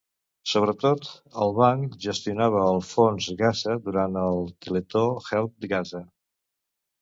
Sobretot, el banc gestionava el Fons Gaza durant el Teletó Help Gaza.